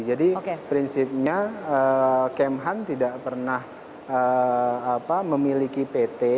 jadi prinsipnya kemhan tidak pernah memiliki pt